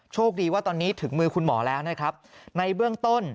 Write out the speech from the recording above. โชคดีว่าตอนนี้ถึงมือคุณหมอแล้วนะครับในเบื้องต้น